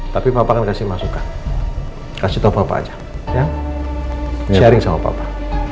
tapi papa akan kasih masukan kasih tau papa aja sharing sama papa